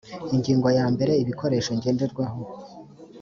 ingingo ya mbere ibikoresho ngenderwaho